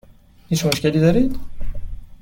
هیچ مشکلی دارید؟